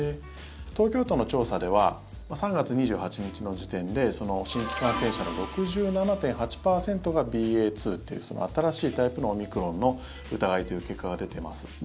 東京都の調査では３月２８日の時点で新規感染者の６７．８％がＢＡ．２という新しいタイプのオミクロンの疑いという結果が出ています。